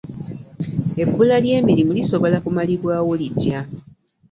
Ebbula ly'emirimu lisobola kumalibwaawo litya?